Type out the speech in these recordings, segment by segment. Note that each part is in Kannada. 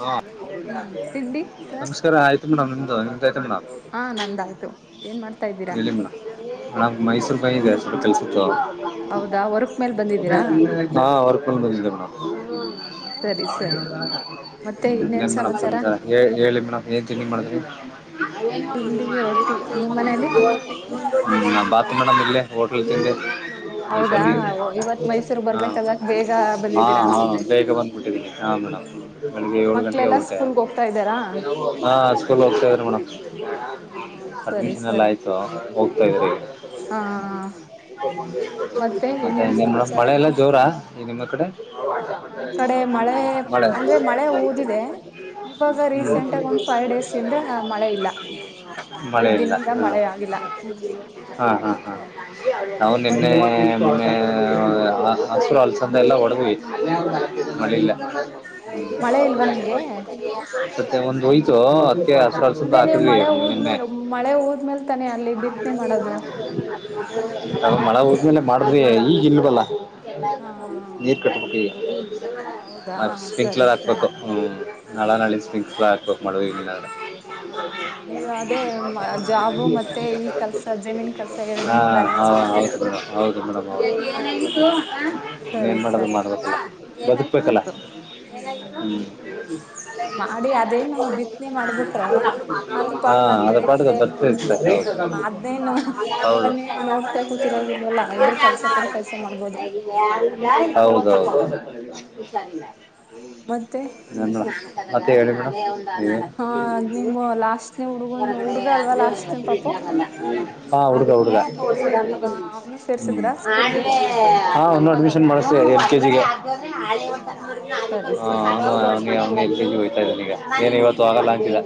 ಹಾ ಹ್ಮ್ ತಿಂಡಿ ಸರ್ ನಮಸ್ಕಾರ ಆಯ್ತು ಮೇಡಮ್ [inaudible] ಹಾ ನಂದಾಯ್ತು ಏನ್ ಮಾಡ್ತಾ ಇದ್ದೀರಾ? ನಾವ್ ಮೈಸೂರ್ ಬಂದಿದ್ದೆ ಸ್ವಲ್ಪ್ ಕೆಲ್ಸಿತ್ತು. ಹೌದಾ ವರ್ಕ್ ಮೇಲ್ ಬಂದಿದ್ದೀರಾ ಹ್ಮ್ ಹಾ ವರ್ಕ್ [unintelligible] ಸರಿ ಸರಿ ಮತ್ತೆ ಹ್ಮ್ ಇನ್ನೇನ್ ಮೇಡಮ್ ಸಮಾಚಾರ ಹೆ ಹೇಳಿ ಮೇಡಮ್ ಏನ್ ತಿಂಡಿ ಮಾಡಿದ್ರಿ. [unintelligible] [unintelligible] ತಿಂಡಿಗೆ ರೊಟ್ಟಿ ನಿಮ್ಮ್ ಮನೇಲಿ ಹ್ಮ್ ಬ ತು ಇಲ್ಲೇ ಮೇಡಂ ಇಲ್ಲೇ ಹೋಟ್ಲಲ್ ತಿಂದೆ ಐಶ್ವ ಹೌದಾ [unintelligible] ಇವತ್ ಮೈಸೂರ್ ಹಾ ಬರ್ಬೇಕಲ್ಲ ಬೇಗ ಹಾ ಬಂದಿದ್ದೀರಾ ಹಾ ಅನ್ಸುತ್ತೆ ಬೇಗ ಬಂದ್ಬಿಟ್ಟಿದ್ದೀನಿ. ಹ ಮೇಡಮ್ ಹ್ಮ್ ಬೆಳಿಗ್ಗೆ ಏಳು ಗಂಟೆಗೆ ಮಕ್ಳೆಲ್ಲಾ ಹೊರಟೆ ಸ್ಕೂಲ್ಗೆ ಹೋಗ್ತಾ ಇದ್ದಾರಾ ಹಾ ಸ್ಕೂಲ್ ಹೋಗ್ತಾ ಇದ್ರು ಮೇಡಮ್. ಹ ಸರಿ ಅಡ್ಮಿಷನ್ ಎಲ್ಲ ಸರಿ ಆಯ್ತು ಹಾ ಹೋಗ್ತಾ ಇದ್ರಿ ಹ ಮತ್ತೆ ಇನ್ನೇನ್ ಮೇಡಂ ಮಳೆ ಎಲ್ಲ ಜೋರ ಈ ನಿಮ್ಮೂರ್ ಕಡೆ. ನಮ್ ಕಡೆ ಮಳೆ ಮಳೆ ಅಂದ್ರೆ ಮಳೆ ಊದಿದೆ ಇವಾಗ ಹ್ಮ್ ರೀಸೆಂಟ್ ಆಗ ಒಂದ್ ಫೈವ್ ಡೇಸ್ ಇಂದ ಮಳೆ ಇಲ್ಲ ಮಳೆ ಐದ್ ಇಲ್ಲ ದಿನದಿಂದ ಮಳೆ ಆಗಿಲ್ಲ ಹ್ಮ್ ಹಾ ಹಾ ಹಾ ಹಾ ನಾವ್ ನಿನ್ನೆ ಮತ್ತೆ ಮನ್ನ ಹಸರು ಅಲ್ಸಂದೆ ಎಲ್ಲ ಹೊಡುದ್ರಿ ಮಳೆ ಇಲ್ಲ. ಮಳೆನೇ ಇಲ್ವಾ ನಿಮ್ಗೆ ಮತ್ತೆ ಒಂದೋಯ್ತು ಅದೇ ನೀವು ಮಳೆ ಊದ್ಮೇಲೆ ಮಳೆ ಊದ್ಮೇಲ್ ತಾನೆ ಅಲ್ಲಿ ಬಿತ್ತನೆ ಮಾಡೋದು ನಾವು ಈಸಲ ಮಾಡ್ರಿ ಯೇಲಿಗೂ ಈದಿಯಲ್ಲ. ಹಾ ನೀರ್ ಕಟ್ಟತಿ ಹೌದಾ ಸ್ಪಕ್ರ್ ಸರಿ ಹಾಕ್ಬೇಕು ಸರಿ ಮ್ ನಾಳ ನಳಿ ಹಾ ಸ್ಪಿಕ್ [unintelligible] ರ್ ಹಕ್ಬೇಕಕ್ ಮಾಡ್ವಿ ಹ - [inaudible] ಹಾ ನೀವು ಅದೇ ಜಾಬು ಮತ್ತೆ ಈ ಕೆಲ್ಸ ಜಮೀನ್ ಕೆಲ್ಸ ಹಾ ಎರಡನ್ನು ಹಾ ಬ್ಯಾಲೆನ್ಸ್ ಮಾಡ್ತೀರಾ ಹೌದು ಕಣಪ್ಪ ಹೌದು ಹಾ ಸರಿ ಏನ್ಮಾಡೋದು ಸರಿ ಮಾಡ್ಬೇಕಲ್ಲ ಬದುಕ್ಬೇಕಲ್ಲ. ಹೌದು ಏನ ಹ್ಮ್ [unintelligible] [inaudible] ಮಾಡಿ ಅದೇನ್ ನಾವು ಬಿತ್ತನೆ ಮಾಡ್ಬಿಟ್ರೆ ಅದ್ರ ಹಾ ಪಾಡಗ್ ಅದ್ ಅದ ಪಾಠದ ಬೆಳೆಯುತ್ತೆ. ಬರ್ತರ್ತಾರೆ ಹ ಅದ್ನೇನು ಇದನ್ನೇ ನೋಡ್ತಾ ಕೂತಿರೋಗಿಲ್ವಲ್ಲ ಇದ್ರ ಕೆಲ್ಸ ಪಡ ಕೆಲ್ಸ ಮಾಡ್ಬೋದು. ಹೌದು ಹೌದೌದು. ಹುಶಾರಿಲ್ಲ. ಮತ್ತೆ ಎನು ಮತ್ತೆ ಹೇಳಿ ಮೇಡಮ್ ನೀವೇ ಹಾ ತಿಂದಿದ್ದು ನಿಮ್ಮ ಲಾಸ್ಟ್ನ ಹುಡ್ಗನು ಹೊರಗಡೆ ಹುಡ್ಗ ಅಲ್ವಾ ಲಾಸ್ಟ್ ಪಾಪು ಹಾಂ ಹುಡಗ ಹುಡಗ. ಹ ಅವನು ಸೇರ್ಸಿದ್ರ ಹ್ಮ್ ಸ್ಕೂಲ್ಗೆ ಹಾ ಒಂದು ಅಡ್ಮಿಷನ್ ಮಾಡ್ಸ್ತೀನಿ ಕೆಜಿಗೆ ಹ ಹ ಸರಿ [unintelligible] ಸರಿ. ಹ ಅವನು [unintelligible] ಅವನಿಗೆ ಅವಿ ಹೋತಾ ಇದ್ದಾನ ಈಗ ಏನ್ ಇವತ್ತು ಹ ಆಗಲ್ಲ ಅಂತಿಲ್ಲ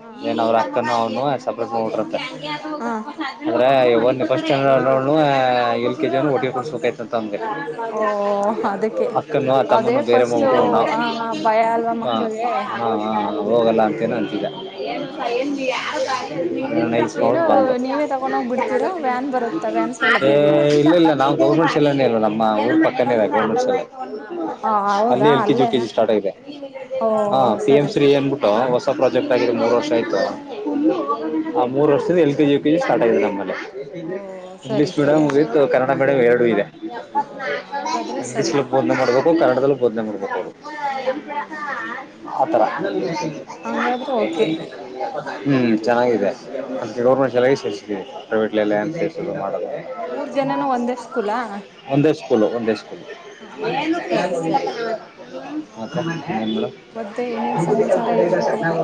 ಹ ಏನ್ ಅವ್ರ ಅಕ್ಕನು ಅವನು. ತಪರುತ್ತೆ [unintelligible] ಹ ಹ ಅಂದ್ರೆ ಈಗ್ ಒಂದ್ ಫಸ್ಟ್ ಏನು ಅನೋದ್ರೆ ಯು ಕೆ ಜಿ ಕೊಡಸ್ಬೇಕತ ಅಂತ ಅಂದ್ರೆ ಓ ಅದಕ್ಕೆ. ಅಕ್ಕನೂ ಅದೇ ತಮ್ಮನ್ನು ಬೇರೆ ಫಸ್ಟು ಮಗರು ನಾವು ಆ ಭಯ ಅಲ್ವಾ ಹ ಹಾ ಮಕ್ಳಿಗೆ. ಹಾ ಹ ಹೋಗಲ್ಲ ಅಂತನ ಅಂತಿದ್ದ ಹಾ ಹಾ ಹಾ [unintelligible] ಏನೋ ನೈಸ್ ಏನು ಮಾಡ್ಬಿಟ್ ಬಂದೆ ನೀವೇ ತಗೊಂಡೋಗ್ ಬಿಡ್ತೀರಾ ವ್ಯಾನ್ ಬರುತ್ತಾ ವ್ಯಾನ್ ಸೌಲಭ್ಯ ಇದೆಯಾ ಇಲ್ಲ ಇಲ್ಲ ನಾವು ಗೌರ್ಮೆಂಟ್ ಶೀಲ ಇ ನಮ್ಮ ಮ ಊರ್ ಪಕ್ಕನೇ ಗವರ್ನಮೆಂಟ್ ಶಾಲೆ. [inaudible] ಹ ಅಲ್ಲಿ ಹೌದಾ L K G U K ಅಲ್ಲೇನಾ ಜಿ ಸ್ಟಾರ್ಟ್ ಆಗಿದೆ ಓ ಹ ಪಿ ಎಂ ಸರಿ ಶ್ರೀ ಸರಿ ಅನ್ಬಿಟ್ಟು ಹೊಸ ಹ ಪ್ರಾಜೆಕ್ಟ್ ಆಗಿದೆ ಮೂರ್ ವರ್ಷ ಆಯ್ತು ಹ ಆ ಮೂರ್ ವರ್ಷ ಇದು L K G U KG start ಆಗಿದೆ ನಮ್ಮಲ್ಲಿ ಓ ಇಂಗ್ಲಿಶ ಸರಿ ಪಿರಿಯಡ್ ಸರಿ ಮುಗಿತು ಕನ್ನಡ ಬೆರೆ ಕಡೆ ಎರಡೂ ಇದೆ. ಹಾ ಹಂಗಾದ್ರೆ ಸರಿ ಇಂಗ್ಲಿನಲ್ಲಿ ಬೋಧನೆ ಮಾಡಬೇಕು ಕನ್ನಡದಲ್ಲಿ. ಬೋಧನೆಮಾಡಬೇಕು ಹ್ಮ್ ಹ್ಮ್ ಹ್ಮ್ ಹ್ಮ್ ಆ ಥರ ಹ ಹಂಗಾದ್ರೆ ಓಕೆ ಹ್ಮ್ ಚೆನ್ನಾಗಿದೆ. ಹಾ ಅದ ಗೌರ್ಮೆಟ್ ಚೆಲಾಗಿ ಸ [unintelligible] [unintelligible] ಹಾ ಪ್ರೈವೇಟ್ಲಲ್ಲೇ [unintelligible] ಮೂರ್ ಜನನು ಒಂದೇ ಸ್ಕೂಲಾ ಒಂದೇ ಸ್ಕೂಲು ಒಂದೇ ಸ್ಕೂಲು ಹಾ ಸರಿ ಸರಿ [unintelligible] [unintelligible] ಮತ್ತೆ ಇನ್ನೇನ್ ಸಮಾಚಾರ ಚೆನ್ನಾಗಿದೆ ಹೇಳ್ಬೇಕ್ ನೀವೇ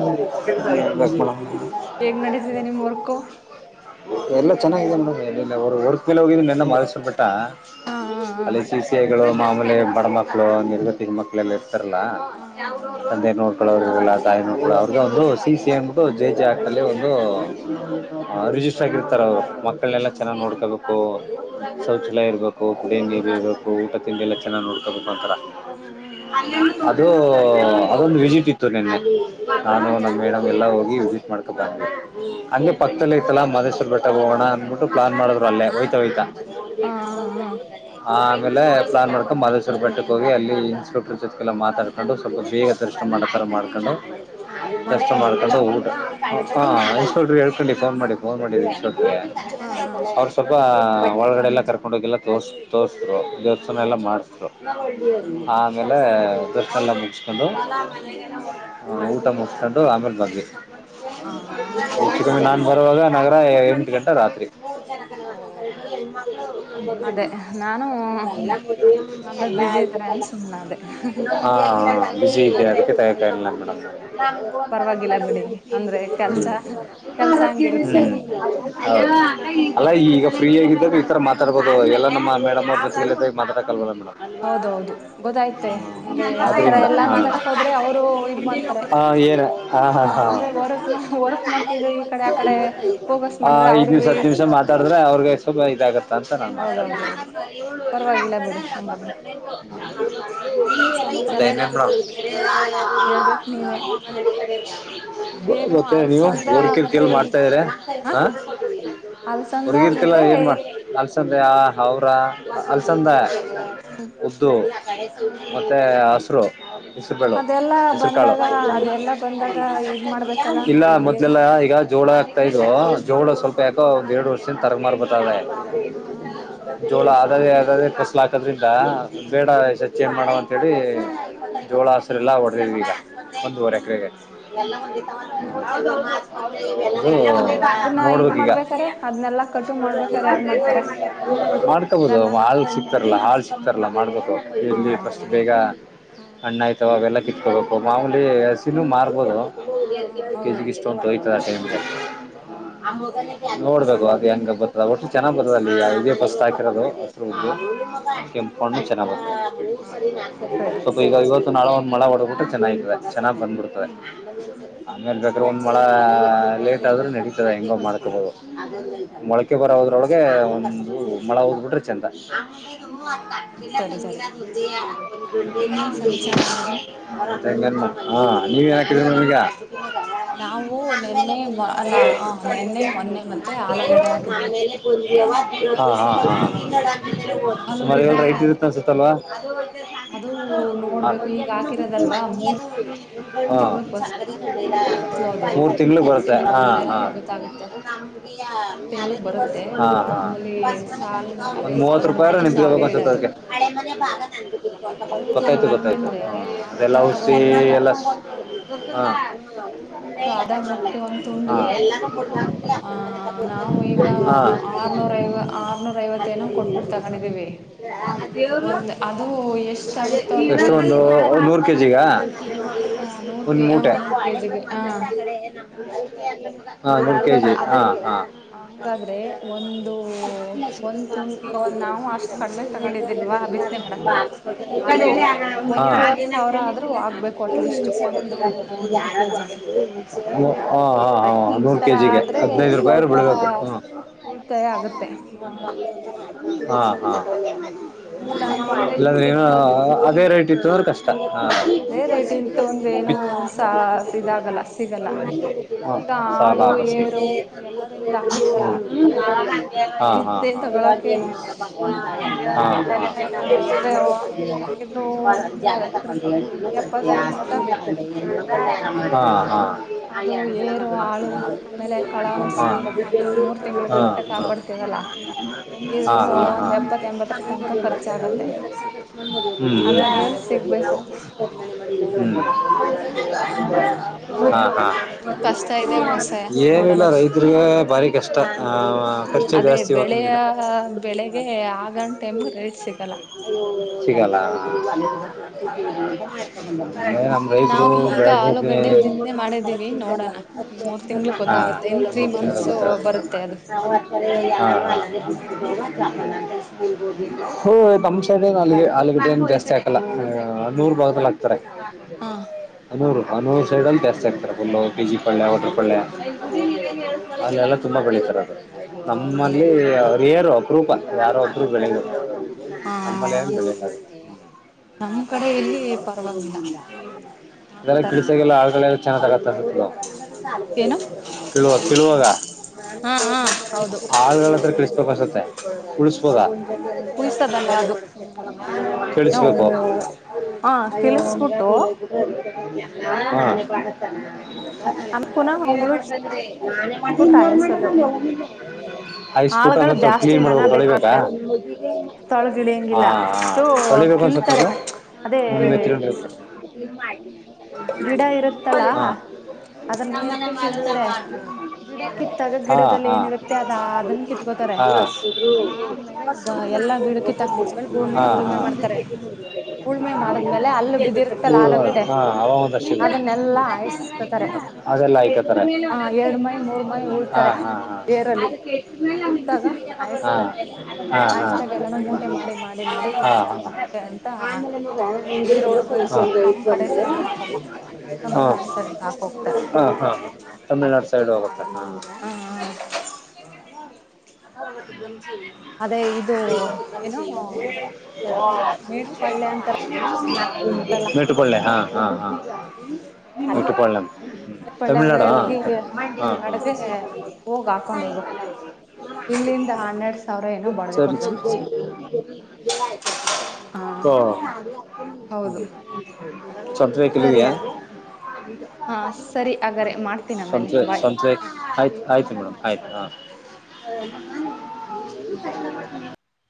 ಹೇಗ್ ನಡೀತಿದೆ ನಿಮ್ ವರ್ಕು [unintelligible] ಹಾ ಹಾ ಹಾ ಅಲ್ಲಿ ಸಿಗಳು ಮಾಮೂಲಿ ಬಡ ಮಕ್ಕಳು ತಿ ಮಕ್ಳೆ [unintelligible] ತರಲ್ಲ ಹಾ ಹಾ ಹಾ ಹಾ ಹಂಗೆ ನೋಡ್ಕೊಳ್ಳೋರ್ಲ್ಲ [unintelligible] [unintelligible] ಆದರೆ ಅವ್ರು ಸಿ ಸಿ ಅಂದ್ಬಿಟ್ಟು ಜೆ ಜೆ [unintelligible] ಒಂದು ಹಾ [unintelligible] ಹುಷಾಗಿರ್ತಾರ ಅವರು ಹ್ಮ್ ಮಕ್ಕಳನ್ನೆಲ್ಲ ಹ್ಮ್ ಚೆನ್ನಾಗಿ ನೋಡ್ಕೋಬೇಕು, ಹ್ಮ್ ಶೌಚಾಲಯ ಇರಬೇಕು ದೇ, ನೀರು ಇರಬೇಕು, ಊಟ ತಿಂಡಿ ಎಲ್ಲ ಚೆನ್ನಾಗಿ ನೋಡ್ಕೋಬೇಕು ಒಂಥರ ಹ್ಮ್ ಹ್ಮ್ ಹ್ಮ್ ಹ್ಮ್ ಅದು ಹ ಅದೊಂದು ವಿಸಿಟ್ ಇತ್ತು ನಂಗೆ ಹ್ಮ್ ಹ್ಮ್ ನಾನು ಹ್ಮ್ ನಮ್ಮ ಹ್ಮ್ ಮೇಡಮ್ ಎಲ್ಲಾ ಹೋಗಿ ಮಾಡ್ಕ ಬಂದ್ವಿ. ಓ ಹಂಗೆ ಪಕ್ತದಲ್ಲಿತಲ್ಲ ಮದ ಬೆಟ್ಟ ಹೋಗೋಣ ಅನ್ಬಿಟ್ಟು ಪ್ಲಾನ್ ಮಾಡಿದ್ರು ಅಲ್ಲೇ. ಒಯ್ತಾ ಒಯ್ತಾ. ಹಾ ಹಾ ಹ ಆಮೇಲೆ ಪ್ಲಾನ್ ಮಾಡ್ಕೊಂಡು ಮಾದೇಶ್ವರ ಬೆಟ್ಟಕ್ಕೆ ಹೋಗಿ ಅಲ್ಲಿ ಇನ್ಸ್ಪೆಕ್ಟರ್ ಜೊತೆಗೆಲ್ಲ ಮಾತಾಕೊಂಡು ಸ್ವಲ್ಪ ಬೇಗ ದರ್ಶ್ನ ಮಾಡೋತರ ಮಾಡ್ಕೊಂಡು ಹಾ ದರ್ಶ್ನ ಮಾಡ್ಕೊಬೋದು ಮಾಡ್ಕೊಂಡು ಊಟ, ಹಾ ಹ್ಮ್ ಇನ್ಸ್ಪೆಕ್ಟರ್ ಹೇಳ್ಕೊಂಡ ಸೇವ್ ಮಾಡಿ ಫೋನ್ ಮಾಡಿ ಇಷ್ಟೊತ್ತು ಯ ಹಾ ಹಾ ಅವ್ರ ಸ್ವಲ್ಪ ಒಳಗಡೆಲ್ಲ ಕರ್ಕೊಂಡ ಹೋಗೆಲ್ಲ ತೋರ್ ತೋರ್ ಹಾ ದೇವಸ್ಥಾನ ಹಾ ಎಲ್ಲ ಮಾಡ್ಸಿದ್ರು ಹ್ಮ್ ಹ್ಮ್ ಹ್ಮ್ ಹ್ಮ್ ಆಮೇಲೆ ದರ್ಶ್ನ ಅಲ್ಲ [unintelligible] ಹ್ಮ್ ಹಲೋ ಹ ಊಟ ಮುಗಿಸಿಕೊಂಡು ಆಮೇಲೆ ಬಂದ್ವಿ ಹಾ ಹಂಗಾದ್ರೆ ಸರಿ ನಾನ್ ಸರಿ ಬರುವಾಗ ನಗರ ಎಂಟಗಂಟ ರಾತ್ರಿ. [unintelligible] ಓ ಅದೇ ನಾನು ಆಮೇಲೆ ಎಲ್ಲ ಬ್ಯುಸಿ ಆಯ್ತು ಇದಾರೆ ಅನ್ ಕಲ. ಸುಮ್ನೆ ಅದೇ ಹಾ ಬಿಸಿ ಇದ್ದೇ ಅದಕ್ಕೆ ತಗಿಯಕ್ಕಾಗಿಲ್ಲ ಮೇಡಮ್ ಹ್ಮ ಹ್ಮ ಪರವಾಗಿಲ್ಲ ಬಿಡಿ ಅಂದ್ರೆ ಕೆಲ್ಸ ಕೆಲ್ಸ ಹಂಗಿರುತ್ತೆ [unintelligible] ಹೌ ಅಲ್ಲ ಹ್ಮ್ ಈಗ [unintelligible] ಫ್ರೀ ಆಗ ಈ ಥರ ಮಾತಾಡ್ಬೋದು ಎಲ್ಲ ನಮ್ಮ ಮೇಡಮ್ಮ ಬಸ್ ಮಾತಡ್ಕಲ್ ಮೇಡ್ ಹೌದೌದು ಗೊತ್ತಾಯ್ತು ಮತ್ತೆ ಅಂದ್ರೆ ಆತರ ಆದ್ರಿಂದ ಎಲ್ಲಾ ಮಾತಾಡಕ್ ಹೋದ್ರೆ ಅವರು ಇದ್ ಮಾಡ್ತಾರೆ ಹಾ ಆ ಏನ ಹಾ ಏನು ಹಾ ಹಾ ಅಂದ್ರೆ ವರ್ಕ್ ವರ್ಕ್ ಮಾಡ್ತಿದ್ರೆ ಈ ಕಡೆ ಆ ಕಡೆ ಫೋಕಸ್ ಆ ಮಾಡಿದ್ರೆ ಅವರು ಆಗ [unintelligible] ಅಂತನನ್ ಮಾತಾಡ್ ಪರವಾಗಿಲ್ಲ ಬಿಡಿ ಹಂಗಾದ್ರೆ ಮತ್ತೆ ಇನ್ನೇನು ಸಮಾಚಾರ ಇನ್ನೇನ್ ಹೇಳ್ಬೇಕ ನೀವೇ ಈಗೇನು ಮೇಡಂ ನೀವು ಅಲ್ಸಂದ ವರ್ಕ ಮತ್ತೆ [unintelligible] [unintelligible] ಇದು ಮಾಡ್ತಾ ಇದ್ರ ಹ ಅಲ್ಸಂದ ಹೊರ್ಗಿರ್ತಿಲ್ಲ ಮತ್ತೆ ಏನ್ ಮಾಡ ಅಲ್ಸಂದ್ರೆ ಹೌರ ಹ್ಮ್ ಅಲ್ಸಂದ ಹ್ಮ್ ಉದ್ದು ಹ್ಮ್ ಮತ್ತೆ ಹಸು [inaudible] ಹೆಸ್ರ್ ಬೆಳು ಅದೆಲ್ಲಾ ಹೆಸ್ರು ಕಾಳು, ಬಂದಾಗ ಅದೆಲ್ಲಾ ಬಂದಾಗ ಇದ್ ಮಾಡ್ಬೇಕಲ್ಲ ಇಲ್ಲ ಹ ಎ ಮೊದ್ಲೆಲ್ಲ ಹ ಈಗ ಜೋಳ ಹಾಕ್ತಾ ಇದ್ರೂ, ಜೋಳ ಸ್ವಲ್ಪ ಯಾಕೋ ಒಂದ್ ಎರ್ಡ್ ವರ್ಶ್ ಮಿಶಿನ್ ತರಗ್ ಮಾಡ್ಬುಟ್ಟವ್ರೆ ಹಾ ಹಾ ಹಾ ಜೋಳ ಆದವೆ ಆ ಅದೇ ಫಸ್ಲ್ ಹಾಕದ್ರಿಂದ್ ದಾ ಬೇಡ ಹ್ಮ್ ಆಯ್ ಮಾಡವ ಅಂತ್ ಹೇಳಿ ಹ್ಮ್ ಜೋಳ ಹಸ್ರ್ ಇಲ್ಲ ಒಡ್ [unintelligible] ಹಾ ಒಂದೂವರೆ ಎಕರೆಗ್ ಹಾಕ್ ಸರಿ ಸರಿ ಸರಿ [unintelligible] ಹ್ಮೂ ಅದನ್ನ ಇದ್ ನೋಡ್ಬೇಕ್ ಈಗ ಮಾಡ್ಬೇಕಾರೆ ಅದ್ನೆಲ್ಲಾ ಕಟು ಮಾಡ್ಬೇಕಾರೆ ಯಾರ್ ಮಾಡ್ತಾರೆ [unintelligible] ಮಾಡ್ಕಬೋದು ಅದೆಲ್ಲ ಮಾಳ್ ಸಿಗ್ತಾರಲ್ಲ ಆಳ್ ಸಿಕ್ತಾರಲ್ಲ ಮಾಡ್ಬೋದು ಹ ಎಲ್ಲಿ ಫಸ್ಟ್ ಬೇಗ ಹ್ಮ್ ಅಣ್ ಆಯ್ತವ ಅವೆಲ್ಲ ಕಿತ್ಕೋಬೇಕು ಮಾಮೂಲಿ ಹಸಿನೂ ಮಾರ್ಬೋದು ಹಾ ಹೌದು ಕೇಜಿಗ್ ಇಷ್ಟು ಅಂತ್ [unintelligible] ಹ್ಮ್ ಹ್ಮ್ ಹ್ಮ್ [unintelligible] ನೋಡ್ಬೇಕು ಎಂಗ ಬತ್ತದ ಒಟ್ನಗ್ ಚನ್ನಾಗ ಬತ್ತದ್ ಅಲ್ಲಿ ಇದೇ ಪಸ್ಟ್ ಹಾಕಿರೋದು ಹಾ ಹಾ [unintelligible] [unintelligible] ಹಾ ಹಾ ಹಾ ಸರಿ ಸ್ವಲ್ಪ ಈಗ ಸರಿ ಇವತ್ತು ನಾಳೆ ಒಂದ್ ಮಳ ಒಡಬಿಟ್ಟು ಚೆನ್ನಾಗಿದೆ ಚೆನ್ನಾಗಿ ಬಂದ್ಬಿಡ್ತದೆ ಹ್ಮ್ ಆಮೇಲೆ ಬೆದ್ರ ಒಂದ್ ಮಳ ಲೇಟ್ ಹ್ಮ್ ಆದೂ ಹ್ಮ್ ನಡೀತದೆ ಹೆಂಗೋ ಮಾಡ್ಕೊಬೋದು ಅದೇ ಮೊಳಕೆ ಬರ ಹ್ಮ್ ಹ್ಮ್ ದ್ರೊಳಗೆ ಒಂದು ಹ್ಮ ಮಳೆ ಹೋಗ್ಬಿಟ್ರೆ ಚಂದ ಹಾ ಸರಿ [unintelligible] ಸರಿ ಇನ್ನೇನ್ ಸಮಾಚಾರ ಹಾಗಾದ್ರೆ ಹಾ ನೀವ ಏನಾಕಿದ್ರಿ ನಮೀಗ ನಾವು ನೆನ್ನೆ ಮ ಅಲ್ಲ ಆ ನೆನ್ನೆ ಮೊನ್ನೆ ಮತ್ತೆ ಆಲೂಗಡ್ಡೆ ಹಾಕಿದೀವಿ ಹಾ ಹಾ ಹಾ ಸುಮಾರು ಎ ರೈಟ್ ಆಲೂಗಡ್ಡೆ ಇರುತ್ತ ಸ ಅದು ಒಂದ್ ಅದು ನೋಡ್ಬೇಕು ಈಗ ಬಿಟ್ಟು ಹಾಕಿರೋದಲ್ವಾ ಮಂದಿ ಮೂರ್ ಅದು ಹಾ ತಿಂಗಳು ಫಸ್ಲು ಅದು [unintelligible] ಮೂರ್ ತಿಂಗ್ಳುಗ್ ಮೂರ್ ಬರುತ್ತೆ ತಿಂಗಳು ಹಾ ಬಂದ್ಮೇಲೆ ಹಾ ಗೊತ್ತಾಗುತ್ತೆ ಮೂರ್ ತಿಂಗಳಗ್ ಬರುತ್ತೆ ಹಾ ಹಾ ಮಾಮೂಲಿ ಸಾಲ್ ಒಂದು ಅದೇ ಸಾಲ್ ಮೂವತ್ತು ರೂಪಾಯರ ಹೊಡದ್ಬಿಟ್ಟು ನಿಂತ್ಗ ಬೇಕು ಸಾಲೇ ಅನ್ಸುತ್ತೆ ಇಡೋದು ಅದಕ್ಕೆ [unintelligible] ಅದು ಗೊತ್ತಾಯ್ತು -ಗೊತ್ತಾಯ್ತು ಹೆಂಗಂದ್ರೆ ಹ ಅದೆಲ್ಲ ಅರ್ಧ ಹೌಶ್ದಿ ಒಂದ್ ಮೂಟ ಎಲ್ಲ ಆ ಹಾ [unintelligible] ಅದು ಅರ್ಧ ಮೂಟಕೆ ಒಂದ್ ತುಂಡ್ಗೆ ಆ ನಾವು ಈಗ ಆರ್ನೂರ ಐವ ಆರ್ನೂರ ಐವತ್ತೇನೋ ಕೊಟ್ಬಿಟ್ಟು ತಗೊಂಡಿದೀವಿ ಒಂದ್ ಅದು ಎಷ್ಟಾಗುತ್ತೋ ಅದ್ರ ಎಷ್ಟು ಮೇಲೆ ಒಂದು ನೋಡ್ಬೇಕು ಒನ್ ನೂರ್ ಕೆಜಿಗ ಹ್ಮ ನೂರ್ ಒನ್ ಕೆ ಹ ಮೂಟೆ ನೂರ್ ಕೆಜಿಗೆ ಹಾಂ ನೂರು ಕೆ ಹಂಗಾದ್ ಜಿ ಅದು ಹಾಂ ಹಾಂ ಹಂಗಾದ್ರೆ ಒಂದು ಒಂದ್ ತುಂಡು ಈ ನಾವು ಅಷ್ಟ ಕಡಿಮೆ ತಗೊಂಡಿವಿ [unintelligible] ಹಾ ಹು ಹ ಹಾ ಒಂದುವರೆ ಸಾವಿರ ಆದ್ರೂ ಆಗ್ಬೇಕು ಅಟ್ಲೀಸ್ಟ್ ಒಂದು ನೂರ್ ಕೆಜಿಗೆ ಹಾಂ ನೂರು ಕೆ ಆತರ ಜಿಗೆ ಆದ್ರೆ ಹದಿನೈದು ರೂಪಾಯರು ಸ್ವಲ್ಪ ಬಿಳಬೇಕು ಹು ಉಳಿತಾಯ ಆಗತ್ತೆ ಹಾ ಹಾಂ ಹಾ ಇಲ್ಲ ಅಂತಂದ್ರೆ ಈ ಇಲ್ಲಾದ್ರೆ ಏನು ಅ ಬಿತ್ನಾಗ ಅದೇ ಹ್ಮ್ ರೈಟ್ ಇತ್ತುಂದ್ರೆ ಕಷ್ಟ ಅದೇ ಹ ರೇಟ್ ಇತ್ತು ಅಂದ್ರೆ ಏನು ಹಾಂ ಸ ಸಾಲ ಇದಾಗಲ್ಲ ಸಿಗಲ್ಲ ವಸ್ವಿ ಈಗ ಆಳು [unintelligible] ಏರು ಹು ಎಲ್ಲರಿಂದ ಆಗತ್ತಲ್ಲ ಹ ಹಾ ಬಿತ್ತನೆ ಹಾ ಹಾಂ ಏನ ಅಂದೆ ಹೆಂಗಿದ್ರು ಮೂರ್ ಎತ್ [unintelligible] ಆ ಆ ಅದು ಏರು [unintelligible] ಆಳು ಆಮೇಲೆ ಹಾಂ ಕಳ ಔಷಧಿ ಅದು ಹಾಂ ಮೂರ್ ತಿಂಗಳ ಗಂಟ ಹಾಂ ಕಾಪಾಡ್ತೀವಲ್ಲ ಹಾಂ ಹೆಂಗಿದ್ರು ಹಾಂ ಒಂದ್ ಎಪ್ಪತ್ ಎಂಬತ್ತರ ತನಕ ಹಾಂ [unintelligible] ಆ ಖರ್ಚಾಗತ್ತೆ ಅದ್ರ ಮೇಲ್ ಸಿಗ್ಬೇಕು ಆತರ ಆದ್ರೂ ಮಾತ್ರ ಈಗ ಕಷ್ಟ ಇದೆ ವ್ಯವಸಾಯ ನೋಡೋಣ ಏನಿಲ್ಲ ರೈತರಿಗೆ ಭಾರಿ ಕಷ್ಟ ಆ ವ ಹ್ಮ್ ಖರ್ಚು ಅದೇ ಜಾಸ್ತಿ ಈವತ್ತಿನ್ ಬೆಳೆಯ ದಿನ. ಬೆಳೆಗೆ ಆಗನ್ ಟೈಮ್ ರೇಟ್ ಸಿಗಲ್ಲ [unintelligible] ಸಿಗಲ್ಲಾ [unintelligible] ಹ್ಮ್ ಅಂದ್ರೆ ನಮ್ ರೈತ್ರು ನಾವು ಈಗ ಬೆಳದ್ ಆಲೂಗಡ್ಡೆ ಬಿತ್ತನೆ ಮಾಡಿದೀವಿ ನೋಡೋಣ ಮೂರ್ ತಿಂಗ್ಳ ಗೊತ್ತಾಗುತ್ತೆ ಇನ್ ತ್ರೀ ಮಂತ್ಸ್ ಬರುತ್ತೆ ಅದು ಹ್ಮ್ [unintelligible] [unintelligible] ಊಂ ನಮ್ ಸೈಡುನು ಆಲೂಗೆ ಆಲುಗಡ್ಡೆ ಏನ್ ಜಾಸ್ತಿ ಹಾಕಲ್ಲ. ಆ ಹಾ ಹನ್ನೂರು ಭಾಗದಲ್ ಹಾಕ್ತಾರೆ ಹಾ ಹನ್ನೂರು. ಅವ ನೂರು ಸೈಡಲ್ಲಿ [unintelligible] ಪಿ ಜಿ ಪೊಳ್ಳಳ್ಳ ಹೊಟರು ಪೊಳ್ಳಳ್ಳ ಹಾ ಹಾ [unintelligible] ಅಲ್ಲಿ ಎಲ್ಲ [unintelligible] ತುಂಬಾ ಬೆಳಿತರ ಹೌದಾ ನಮ್ಮಲ್ಲಿ ಯ ತೇರು ಅಪರೂಪ ಬೆ ಹಾ [unintelligible] ಹಾ ನಮ್ಮಏನ್ ಬೇಕಾಗಿಲ್ಲ ನಮ್ ಕಡೆ ಇಲ್ಲಿ ಪರವಾಗಿಲ್ಲ [unintelligible] ಹಾಕ್ತಾರೆ ಕೆಲಸಕ್ಕೆಲ್ಲ ಆಳಗಳ. [unintelligible] [inaudible] ಏನು ಕಿಳುವಗ ಕಿಳುವಾಗ ಹಾ ಹಾ ಹೌದು ಆಳಗಳತ್ರ ಕಳಿಸಬೇಕ [unintelligible] ಅಸುತ್ತೆ [unintelligible] ಹ್ಮ್ [unintelligible] ಹೌದ ಹ್ಮ್ ಕುಯ್ಸದಲ್ಲ ಅದು ಹ್ಮ್ ಏನೋ ತಿಳಿಸ್ಬೇಕು ಹ ಕಿಳಿಸಬಿಟ್ಟು ಹ ಆಮೇಲೆ ಪುನಃ ನೀವೇ ಮಾಡ್ತಂದ್ರೆ. ಉಳಿಸಬಿಟ್ಟು ಹಾಯ್ಸೋದು [unintelligible] ಐಸ್ಫುಟ್ ಅ ಆಳುಗಳು ಕ್ಲೀನ್ ಮಾಡ್ಬೇಕು ಮಾಡಿದ್ದರು ತೊಳಿಬೇಕ. [unintelligible] ತೊಳಗಿಳ ಹಂಗಿಲ್ಲ ು ತೊಳಿಬೇಕು ಅನ್ಸುತ್ತೆ ಕಿಳ್ತಾರೆ ಅದು ಅದೇ ಮುಂದೆ ತಿರುಗಿರುತ್ತೆ ಇದು ಗಿಡ ಇರುತ್ತಲ್ಲ ಮಾಡಿ ಹಾಂ ಅದನ್ನ ನಮ್ಮನೆ ಏರ್ಕ ಮಾಡು ನಾವು ಕೀಳ್ತಾರೆ ಆಡ್ನ ಗಿಡ ಮೇಲೆ. ಕಿತ್ತಾಗ ಹಾ ಗಿಡದಲ್ಲಿ ಹಾ ಏನಿರುತ್ತೆ ಅದ ಅದನ್ನ ಕಿತ್ಕೋತಾರೆ ಹಾ ಹಾ ಅದಾದ್ಮೇಲೆ ಬಾಯ್. ಎಲ್ಲಾ ಗಿಡಕಿ ತಾಕಬಿಟ್ಟ್ಮೇಲೆ ಭೂಮಿನ ಉಳುಮೆ ಹಾ ಮಾಡ್ತಾರೆ ಉಳುಮೆ ಮಾಡದ್ಮೇಲೆ ಅಲ್ಲ ಬಿದಿರ್ತಲ್ಲ ಊರುಗಳು ಆಲೂಗಡೆ ಹಾ ಅವ ಒಂದಷ್ಟು ಈಗ ಇದೆ. ಅದನ್ನೆಲ್ಲ ಈಗ ಹಯಸ್ಕತಾರೆ ಚಂದ್ರನಿಗೆ ಅದೆಲ್ಲ ಐಕತ್ತರ ಮೇಲೆ ಆ ಒಂದೊಂದು ಎರಡ್ ಕೆಟ್ಟ ಮೈ ಮೇಲೆ ಮೂರ್ ಮೈ ಸಿಗೋದು. ಹಾ ಉಳ್ತಾರೆ ಹಾ ಹಾ ಏರಲ್ಲಿ ಅದು ಕೆಟ್ಟ ಮೇಲೆ ಹೂತ್ತಾಗ ಹಾಯಸ್ತಾರೆ. ಹಾ [unintelligible] ಹ ಹ ಮಾಡಿ ಮಾಡಿ ಹ ಇಷ್ಟು ಮೂಟೆ ಅಂತ ಅಲ್ಲಿ ಈ ರೋಡ್ಗೆ ನಮ್ ಕಡೆ ಸೈಡ್ ಮಾಡಲ್ಲ ತಮಿಳ್ನಾಡು ಸೈಡ್ಗೆ ಹಾಕ್ ಹೋಗ್ತಾರೆ ಹ ಹ ಹ ತಮಿಳ್ನಾಡು ಸೈಡ್ ಹೋಗುತ್ತಾರೆ ಹಾ ಆ [inaudible] [inaudible] ಅದೇ ಇದು ಏನು ಮೇಟ್ ಮೇಟ್ಪಳ್ಳೆ ಅಂತಾರಲ್ಲ [unintelligible] ನಟ್ಟುಕೊಳ್ಳೆ ಹಾ ಹಾ ಹಾ ಆಗತ್ತೆ ಮೇಪಳ್ಳಾಗ ಹಾಂ ಹೋಗಿ ಹಾಂ ಹಾಂ ತಮಿಳುನಾಡಗೆ ಹೋಗ ಹಾಕೊಂಡ್ ಹೋಗ್ಬೇಕು ಇಲ್ಲಿಂದ ಹನ್ನೆರಡ್ ಸಾವಿರ ಏನೋ ಬಾಡಿಗೆ ಸರಿ ಸರಿ ಕೊಡ್ಬೇಕು ಹಾ ಹೌದು ಸಬ್ ಜೈಲ್ ಯಿ ಕೇಳಿದೀಯ ಸರಿ ಹಾ ಸರಿ ಹಾಗಾದ್ರೆ ಮಾಡ್ತೀನಿ [unintelligible] ಆಮೇಲೆ ಆಯ್ತ ಆಯ್ತ್ರಿ ಮೇಡಮ್ ಆಯ್ತ ಹಾ [unintelligible] [unintelligible]